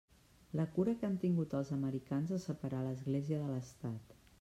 La cura que han tingut els americans a separar l'Església de l'Estat.